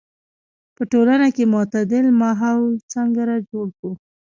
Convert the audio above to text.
په ټولنه کې معتدل ماحول څرنګه جوړ کړو.